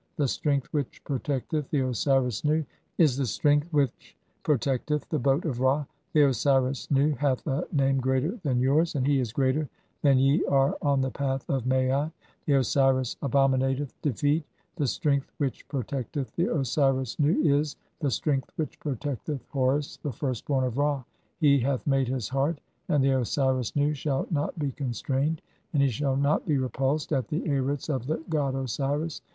The strength which protecteth "the Osiris Nu is the strength which protecteth the boat of Ra. "The Osiris Nu (8) hath a name greater than yours, and he is "greater than ye are on the path of Maat ; the Osiris abominat "eth defeat (?). The strength which protecteth the Osiris Nu "is (9) the strength which protecteth Horus the firstborn of Ra. "[He] hath made his heart, and the Osiris Nu shall not be con strained and he shall not be repulsed at the Arits of the god "Osiris.